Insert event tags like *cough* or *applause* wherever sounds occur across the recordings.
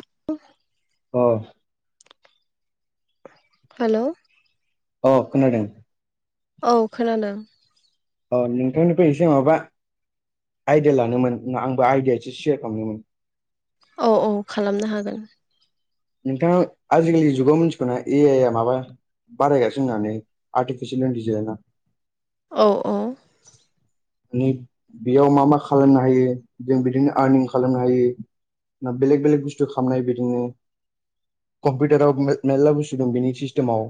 *inaudible* *unintelligible* औ। हेल'। औ खोनादों। औ खोनादों। अ नोंथांनिफ्राय एसे माबा आइदिया लानोमोन ना आंबो आइडिया एसो सेयार खालामनोमोन औ-औ खालामनो हागोन। नोंथाङा आजिखालिनि जुगाव मिथिगौना ए आइ आ माबा बारायगासिनो होननानै आर्टिफिसियेल इन्टिलिजेन्आ औ-औ बेयाव मा मा खालामनो हायो जों बिदिनो आर्निं खालामनो हायो। बेलेग बेलेग बुस्थु खालामनन हायो बेजोंनो कम्पिउटाराव मेरलाबो बुस्थु दं बेनि सिस्टेमाव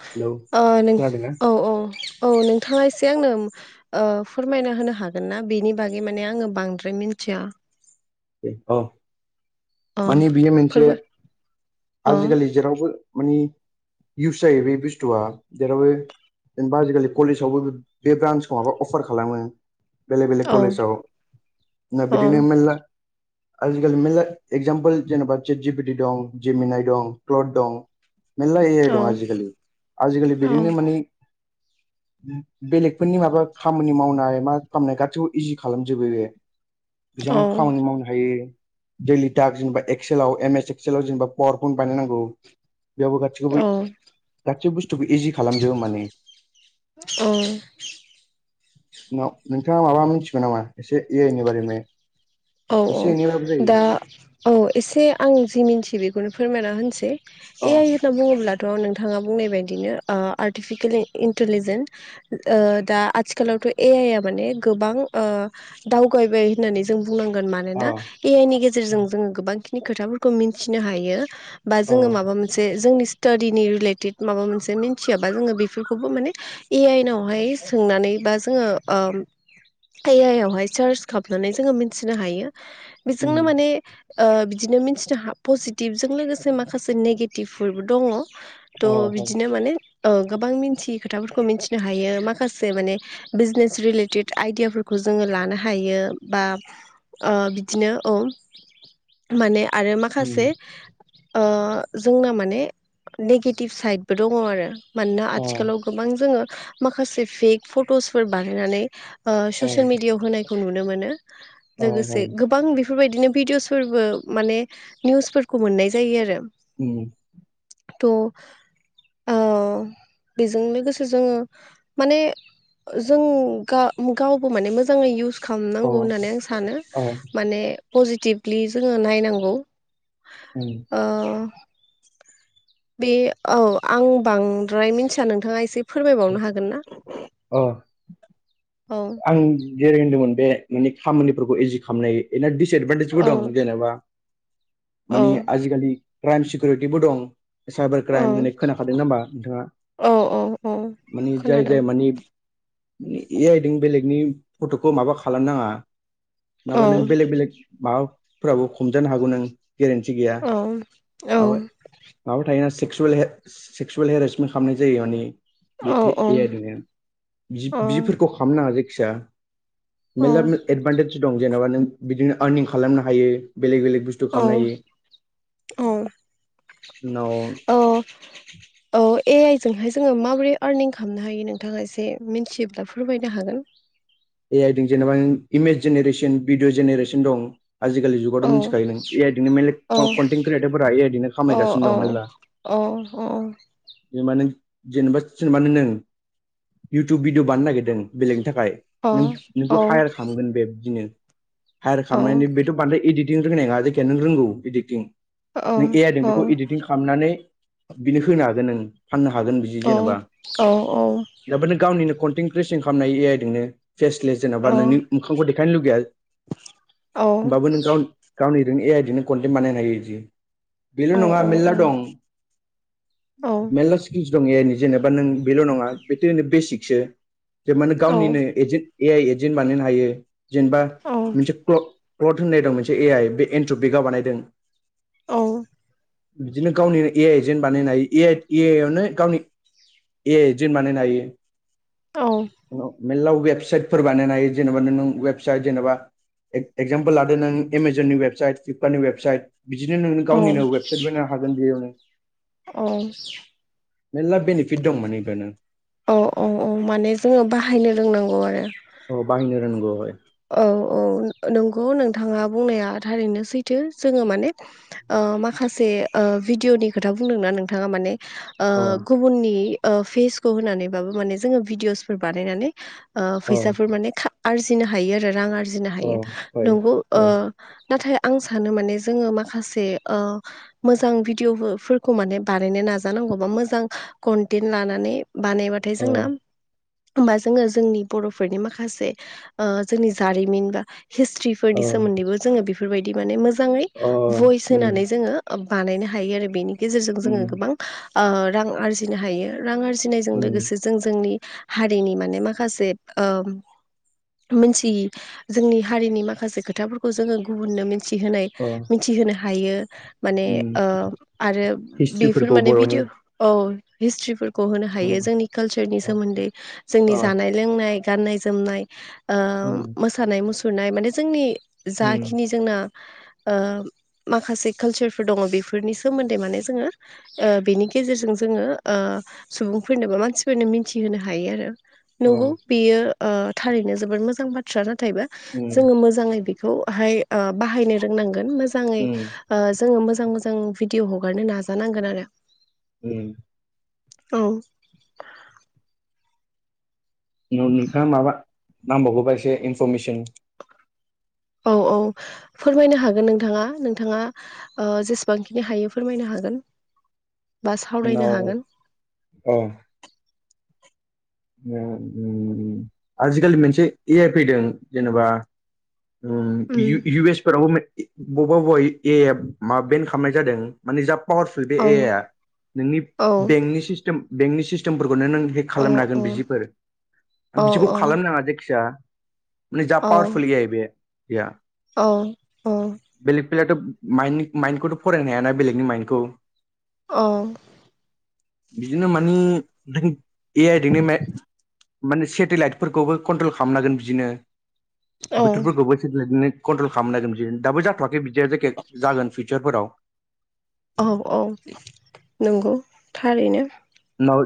हेलौ नों खोनादोंना औ-औ-औ नों नोंथाङा एसे आंनो औ फोरमायना होनो हागोन ना बेनि बागै माने आङो बांद्राय मिथिया अ अ माने बियो मोनसे फोरबो अ आजिखालि जेरावबो माने इउश जायो बे बुसथुया जेरावबो जेनेबा आजिखालि कलेजावबो बे ब्रान्सखौ माबा अफार खालामो बेलेग बेलेग औ कलेजाव ना औ बिदिनो मेरला आजिखालि मेरला एगजामपोल जेनेबा चेटजि पि दं जमनाय दं क्लथ दं मेरला ऐ औ दं आजिखालि आजिखालि बिदिनो माने बेलेगफोरनि माबा खामानि मावनाय मा खालामनाय गाैबो इजि खालामजोबो बे बेसेबां औ खामानि मावनो दैलिट जेनबा एल एस एक्लव जेनबा पावार फइन्ट बानायनांगौ बेयावबो गासैखौबो औ गासैबो बुस्थुखौ इजि खालामजोबो माने अ। न-नोंथाङा माबा मिथिगौ नामा एसे ऐ आइ नि बारैनो औ औ दा औ एसे आं जि मिन्थियो बेखौनो फोरमायना होनोसै अ ऐ आइ होनना बुङोब्ल थ' नोंथाङा बुंनाय बायदिनो ओ आर्टिफिखेलै इन्टिलिजेन दा आथिखालाव बो ऐ आइ आ माने गोबां ओ दावगबाय होननानै जों बुंनांगोन अ मानोना ऐ आइ नि गेजेरजों जोङो गोबांखिनि खोथाफोरखौ मिथिनो हायो बा अ जोङो माबा मोनसे जोंनि स तडिनि रिलेटेड माबा मोनसे मिथियाबा जोङो बेफोरखौबो माने ऐ आइ नावहाय सोंनानै बा जोङो ओम ऐ आव हाय सर्च खामनानै जोङ मोन मिथिनो हायो उम बेजोंनो माने ओ बिदिनो मिथिनो हा पजिटिभजों लोगोसे माखासे नेगेटिभफोरबो दङ अ थ' हाय बिदिनो माने औ गोबां मिथियै खोथाफोरखौ मिथिनो हायो माखासे माने बिजनेस रिलेटेड आइदियाफोरखौ जोङो लानो हायो बा ओ बिदिनो औ माने आरो उम माखासे ओ जोंना माने नेगेटिभ साइडबो दङ आरो मानोना अ आथिखालाव गोबां जोङो माखासे फेक फट'सफोर बानायनानै ओ अ ससियेल मिडियाआव होनायखौ नुनो मोनो अ लोगोसे हाय गोबां बि बेफोरबायदिनो भिडिअसफोरबो माने निउसफोरखौ मोननाय जायो आरो उम थ' ओ बेजों लोगोसे जोङो माने जों गा-गावबो माने मोजाङै इउस अ खालामनांगौ होननानै आं सानो अ माने पजिटिभलि जोङो नायनांगौ उम ओ बे औ आं बांद्राय मिथिया नोंथाङा एसे फोरमायबावनो हागोन ना अ औ आं जिराय होनदोंमोन बे माने खामानिफोरखौ इजि खामनो हायो *unintelligible* एदभाटिजबो औ दं जेनेबा औ माने आजिखालि क्राइम सिकिउरिटिबो दं साइबार औ क्राइम होननाय खोनाखादों ना होमा नोंथाङा? औ औ औ माने जाय खोनादों जाय माने ऐ आइ बेलेनि फट'खौ मा खालामनााङा औ माबा नों बेलेक बेले माबा फोराबो हमजानो हागौ नों गेरेन्टि गैया औ मा माबा थायोना सि सेक्सुयेल हे सेक्सुयेल हेरेसमेन्ट खालामनाय जायो माने औ ए-ए औ ऐ आइ जोंनो औ बि-बिफोरखौ खालामनाङा जेखि जाआ औ मेल्ला एदभान्टेज दं जेनेबा नों बिदिनो आरनिं खालामनो हायो बेलेग बेलेग बुस्थु औ खालामनो हायो औ उनाव ऐ आइ जोंहाय जोङो माबोरै आरनिं खालामनो हायो नोंथाङा एसे मिथियोब्ला फोरमायनो हागोन ए आइ जों जेनेबा इमेज जेनेरेसन भिडिअ जेनेरेसन दं आजिखालि जुगावथ' औ मिथिखायो नों ए आइ जोंनो औ मेरला कनटेन्ट क्रियेटारफोरा ए आइ जोंनो खामायगासिनो दं मेरला अह बे माने जेनेबा जेनेबा नों इउटुब भिदिअ' बानायनो नागिरदों बेलेगनि थाखाय औ नों-नोंखौ औ हायार खालामगोन बे बिदिनो हायार औ खालामनायनि बेथ' बांद्राय एडिड नों रोंनाय नङा जायखिजाया नों रोंगौ इदिटिं औ नों ए आइ जों बेखौ इदिटिं खालामनानै बिनो होनो हागोन नों फाननो हागोन बिदि जेनेबा औ दाबा नों गावनिनो खन टेन क्रिसेन खालामनो हायो ए आइ जोंनो फेसलेस जेन'बा नोंनि मोखांखौ देखायनो लुुबैया औ औ बाबो नों गावनि गावनि बेदिनो ए आइ जोंनो कनटेन्ट बानायनो हायो बिदि बेल' नङा औ मेरला दं मेरला दं ए आयनि जेनेबा नों बेल' नङा बेथ ओरैनो बेसिकसो जे माने गावनिनो एजेन् एजेन्ट बानायनो हायो जेनेबा मोनसे होननाय दं मोनसे ए आइ बे एनट्रपिकआ बानायदों औ बिदिनो गावनि ए आइ एजेन्ट बानायनो हायो एइ ए आइ आवनो गावनि *unintelligible* फोर बानायनो हायो जेनेबा नों वेबसाइट जेनेबा एगजामपोल लादो नों एमजननि वेबसाइट फ्लिपकार्टनि वेबसाइट बिदिनो नोंनो गावनिनो वेबसाइट बानायनो हागोन बेयावनो औ मेल्ला बेनिफिट दं बेफोरनो औ-औ-औ माने जोङो बाहायनो रोंनांगौ आरो औ बाहायनो रोंनांगौ बेहाय औ-औ नंगौ नोंथाङा बुंनाया थारैनो सैथो जोङो माने माखासे भिडिअनि खोथा बुंदोंना नोंथाङा माने अ गुबुननि फेसखौ होनानैबाबो माने जोङो भिडिअसफोर बानायनानै अ फैसाफोर माने आरजिनो हायो आरो रां आर आरजिनो अ हायो हय नंगौ हय नाथाय आं सानो माने जोङो माखासे मोजां भिडिअफोरखौ माने बानायनो नाजानांगौ नांगौबा मोजां कनटेन्ट लानानै बानायबाथाय अ जोंना होमबा जोङो जोंनि बर'फोरनि माखासे जोंनि जारिमिन बा अ हिस्ट्रिफोरनि सोमोन्दैबो जोङो बेफोरबायदि माने मो मोजाङै अ भइस उम होनानै जोङो बानायनो हायो आरो बेनि गेजेरजों जोङो उम गोबां रां आरजिनो हायो रां आरजिनायजों उम लोगोसे जों जोंनि हारिनि माने माखासे मोनथियै जोंनि हारिनि माखासे खोथाफोरखौ जोङो गुबुननो मिथि मिथिहोनाय अ मिथिहोनो हायो माने उम आरो बेफोर हिस्ट्रिफोरखौ माने बर'नि भिदिअ' औ हिस्ट्रि खौ होनो हायो उम जोंनि कालचारनि अके सोमोन्दै जोंनि अ जानाय लोंनाय गाननाय जोमनाय उम मोसानाय मुसुरनाय माने जोंनि उम जाखिनि जोंना माखासे कालसारफोर दङ बेफोरनि सोमोन्दै माने जोङो बेनि गेजेरजों जोङो सुबुंफोरनो बा मानसिफोरनो मिथिहोनो हायो आरो अ नंगौ बेयो थारैनो जोबोद मोजां बाथ्रा नाथाय बा उम जोङो मोजाङै बे बेखौहाय बाहायनो रोंनांगोन मोजाङै उम जोङो मो मोजां मोजां भिडिअ हगारनो नाजानांगोन आरो ओम औ नोंथाङा माबा नांबावगौबा एसे इनफरमेसन औ औ फोरमायनो हागोन नोंथाङा नोंथाङा ओ जेसेबांखिनि हायो फोरमायनो हागोन बा सावरायनो उनाव हागोन औ उ उ आजिखालि मोनसे ए आइ फैदों जेनेबा उ इउ उम इउ एस फोराव बबेबा बबेब ए आइ माबा बेन खालामनाय जादों माने जाब पावारफुल बे औ ए आइ आ नोंनि औ बेंकनि सिस्टेम बेंकनि सिस्टेमफोरखौनो नों हेक औ खालामनो हागोन औ बिजिफोर औ बिसोखौ औ खालामनो नाङा जायखिया माने जा औ पावारफुल ए आइ बे एआ औ औ थ माइ खौथ' फरायनो हायाना बेलेगनि माइन्दखौ औ बिदिनो मानि नों ए आइ दिनि मे माने सेटेलाइटफोरखौबो कन्ट्रल खामनो हागोन बिदिनो औ बोथोरफोरखौबो सेटेलाइटनो कन्ट्रल खालामनो हागोन बिदि दाबो जाथ'वाखै बिदिया जायखिया जागोन फिउचारफोराव औ औ नंगौ थारैनो उनाव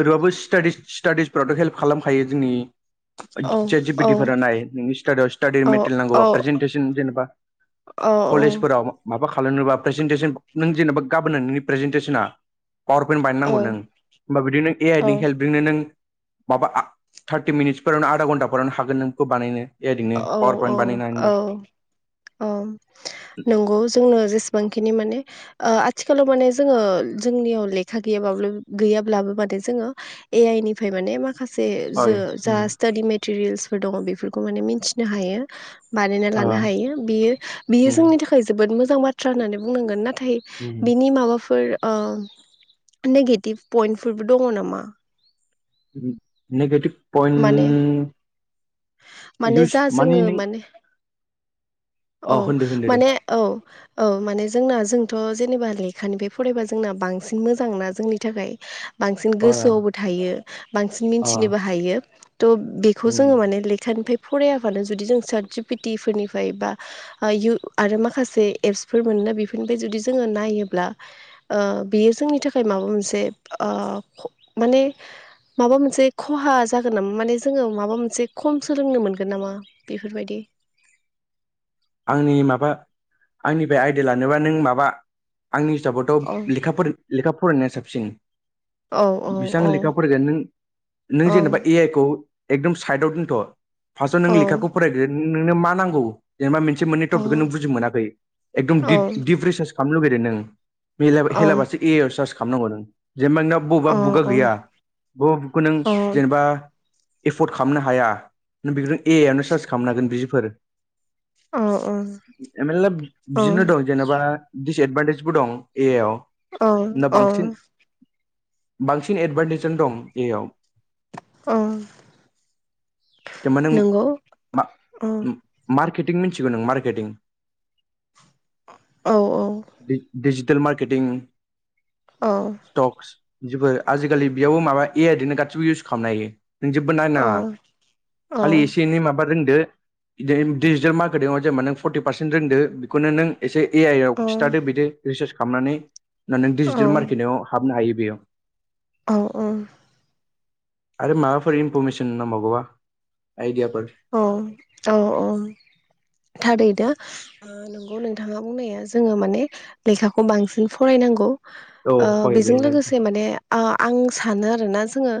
ओरैबाबो स्टाडिस स्टाडिस फोरावथ' हेल्प खालामखायो जोंनि जे औ चेट जि पि औ टि फोरा नाय नोंनि स्टडियाव स्टाडि औ मेटेरियेल औ नांगौबा प्रेजेन्टेसन जेनेबा औ कलेजफोराव माबा खालामालनोबा प्रेजेेनटेसन नों जेन'बा गाबोन नों नोंनि प्रेजेेनटेसना पावार पइन्ट बानायनांगौ नों औ होमबा बिदि नों ए आइ नि हेल्पजोंनो नों माबा थार्टि मिनिट्सफोरावनो आधा घन्टाफोरावनो हागोन नों बेखौ बानायनो आइ जोंनो औ पावार औ पइन्ट बानायनो औ होनबा औ नंगौ जोंनो जेसेबांखिनि माने ओ आथिखालाव माने जोङो जोंनियाव लेखा गैयाबाब्लो गैयाब्लाबो माने जोङो ए आइ निफाय माने मा माखासे जो हय जा स्टाडि मेटेरियेल्सफोर दङ बेफोरखौ माने मिनथिनो हायो बानायना लानो हायो बियो बियो उम जोंनि थाखाय जोबोद मोजां बाथ्रा होननानै बुंनांगोन नाथाय नाथाय ओ उम बिनि माबाफोर ओ नेगेटिभ पइन्टफोरबो दङ नामा नेगेटिभ माने पइन्ट माने इउस जा मानि जोङो नों माने अ औ होनदो होनदो दे माने औ औ माने जोंना जोंथ' जेनेबा लेखानिफ्राय फरायबा जोंना बांसिन मोजां ना जोंनि थाखाय बांसिन अ गोसोआवबो थायो बांसिन अ मिथिनोबो हायो थ' बेखौ उम जोङो माने निफ्राय फरायाब्लानो जुदि जों साट जि पि टि फोरनिफ्राय बा आरो माखासे एप्स फोर मोनोना बेफोरनिफ्राय जुदि जोङो नायोब्ला ओ बेयो जोंनि थाखाय माबा मोनसे ओ ओ माने माबा मोनसे खहा जागोन नामा माने जोङो माबा मोनसे खम सोलोंनो मोनगोन नामा बेफोरबायदि आंनि माबा आंनिफ्राय आयदिया लानोबा नों माबा आंनि औ हिसाबावथ' लेखाफोर लेखा फरायनाया साबसिन औ औ बेसां औ लेखा फरायगोन नों औ नों जेनेबा ए आइ खौ एकदम साइदाव दोनथ' फारसआव नों लेखाखौ फरायग्रो नोंनो मा नांगौ जेनेबा मोनसे मोनसे मोननै टपिकखौ नों बुजि मोनाखै एकदम दिप रिसार्च खालामनो लुगैदों नों एला हेलाबासो ए आइ आव सार्ज खालामनांगौ नों जेनेबा नोंनाव बबेबा बुखआ गैया बबा बुखखौ नों जेनेबा एफर्ड खालामनो हाया नों बेखौनो ए आइ आवनो सार्स खालामनांगोन बिफोर मेरला बिदिनो दं जेन'बा डिसएदभान्टेजबो दं ए आइ आव औ ना औ बांसिन बांसिन एदभारटेजआनो दं ए आइ याव औ जेनेबा नों मा उम मारकेटिं मिनथिगौ नों मारकेटिं डि-डिजि टेल मार्केटिं स्टक्स फोर आजिखालि बेयावबो माबा ए आइ इदिनो गासिबो इउस खालामनो हायो नों जेबो नायनाङा खालि एसे एनै माबा रोनदो जेरै डिजिटेल मारकेटिंआव जेनेबा नों फरटि पारसेन्ट दोनदो बेखौनो नों एसे ए आइ आव खिथादो बिदि रिसार्च खालामनानै होमबा नों डिजिटेल मार्केटिंआव हाबनो हायो बेयाव औ औ आरो माबाफोर इनफरमेसन नांबावगौबा आइडियाफोर औ औ औ थारैनो नंगौ नोंथाङा बुंनाया जोङो माने लेखाखौ बांसिन फरायनांगौ। औ हय बे बेजों लोगोसे माने आं सानो आरोना जोङो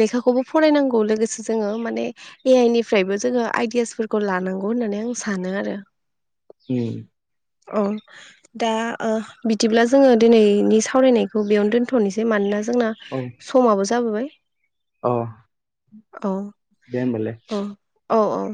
लेखाखौबो फरायनांगौ लोगोसे जोङो माने ए आइ नि फ्रायबो जोङो आइडियासफोरखौ लानांगौ होननानै आं सानो आरो। उम अ दा बिदिब्ला जोङो दिनैनि सावरायनायखौ बेयावनो दोनथ'नोसै मानोना जोंना औ समाबो जाबोबाय। औ औ दे होनबालाय। औ औ औ